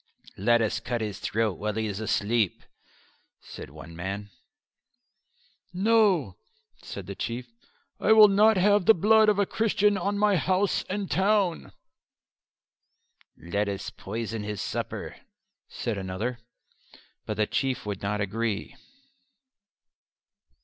"Let us cut his throat while he is asleep," said one man. "No," said the Chief. "I will not have the blood of a Christian on my house and town." "Let us poison his supper," said another. But the Chief would not agree.